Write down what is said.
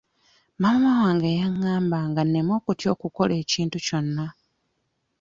Maama wange yangambanga nneme kutya kukola kintu kyonna.